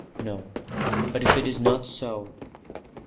"No. But if it is not so